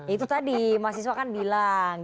itu tadi mahasiswa kan bilang